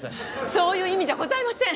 そういう意味じゃございません。